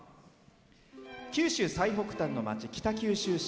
九州最北端の町・北九州市。